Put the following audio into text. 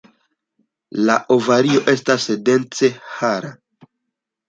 La ovario estas dense hara.